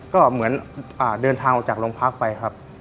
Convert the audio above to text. ก็เหมือนเดินทางออกจากโรงพักไปครับ